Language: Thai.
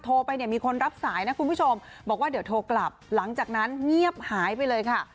โทรไปเนี่ยมีคนรับสายนะคุณผู้ชมบอกว่าเดี๋ยวโทรกลับหลังจากนั้นเงียบหายไปเลยค่ะ